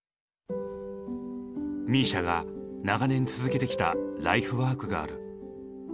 ＭＩＳＩＡが長年続けてきたライフワークがある。